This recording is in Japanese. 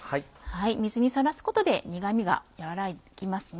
水にさらすことで苦味が和らぎますね。